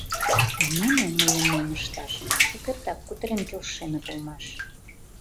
А нуно мыйым мом ышташ — шукертак кутырен келшеныт улмаш.